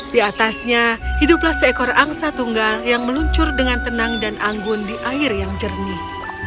di atasnya hiduplah seekor angsa tunggal yang meluncur dengan tenang dan anggun di air yang jernih